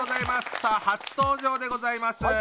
さあ初登場でございます。